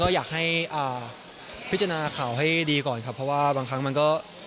อยากให้พิจารณาข่าวให้ดีก่อนครับเพราะว่าบางครั้งมันก็